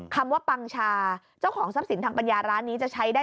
คำว่าปังชาเจ้าของทรัพย์สินทางปัญญาร้านนี้จะใช้ได้